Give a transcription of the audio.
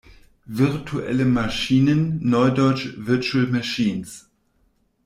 Virtuelle Maschinen, neudeutsch Virtual Machines.